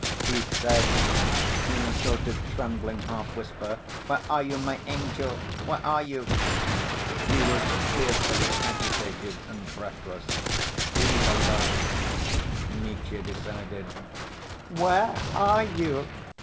he said, in a sort of trembling half‐ whisper. "Where are you, my angel, where are you?" He was fearfully agitated and breathless. "He's alone." Mitya decided. "Where are you?"